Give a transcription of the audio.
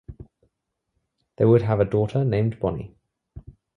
They would have a daughter named Bonnie.